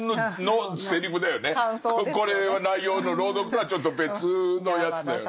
これは内容の朗読とはちょっと別のやつだよね。